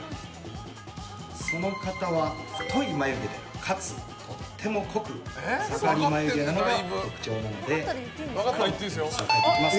その方は太い眉毛でかつとっても濃く下がり眉毛が特徴なので書いていきます。